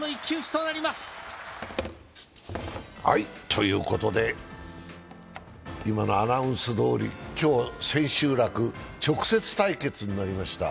ということで、今のアナウンスどおり、今日、千秋楽、直接対決になりました。